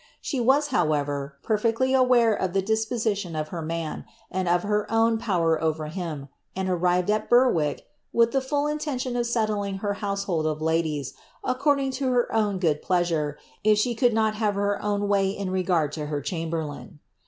She was, however, perfectly aware of the ilis position of her man, and of her own power over him, and arriveJ ai Berwick, with the full intention of settling her household of ladies, according to her own good pleasure, if she could not have her own iray in regard to her chamberlain.